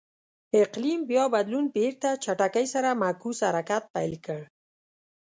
اقلیم بیا بدلون بېرته چټکۍ سره معکوس حرکت پیل کړ.